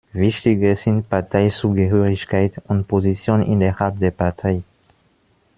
Wichtiger sind Parteizugehörigkeit und Position innerhalb der Partei.